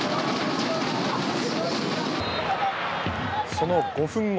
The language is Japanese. その５分後。